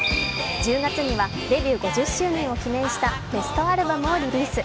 １０月にはデビュー５０周年を記念したベストアルバムをリリース。